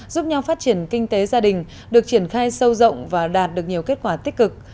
giúp nhau phát triển kinh tế gia đình được triển khai sâu rộng và đạt được nhiều kết quả tích cực